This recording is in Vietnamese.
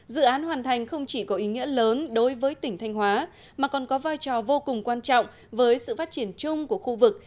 dự án hoàn thành không chỉ có ý nghĩa lớn đối với tỉnh thanh hóa mà còn có vai trò vô cùng quan trọng với sự phát triển chung của khu vực